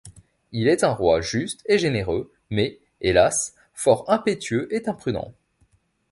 Il est un roi juste et généreux, mais, hélas, fort impétueux et imprudent.